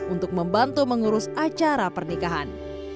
untuk membantu mengurus acara pernikahan